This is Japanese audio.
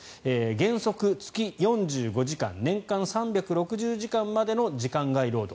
原則月４５時間年間３６０時間までの時間外労働